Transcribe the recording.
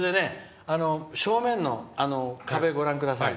正面の壁をご覧ください。